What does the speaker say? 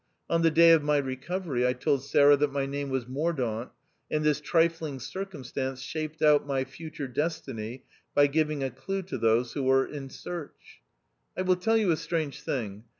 On the day of my recovery, I told Sarah that my name was Mordaunt, and this trifling circumstance shaped out my future destiny by giving a clue to those who were in search. I will tell you a strange thing.